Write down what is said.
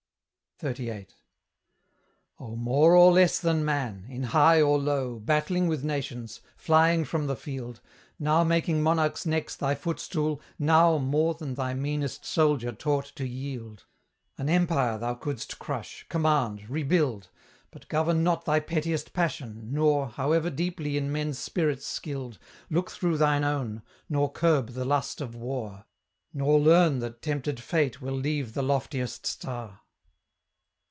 XXXVIII. Oh, more or less than man in high or low, Battling with nations, flying from the field; Now making monarchs' necks thy footstool, now More than thy meanest soldier taught to yield: An empire thou couldst crush, command, rebuild, But govern not thy pettiest passion, nor, However deeply in men's spirits skilled, Look through thine own, nor curb the lust of war, Nor learn that tempted Fate will leave the loftiest star.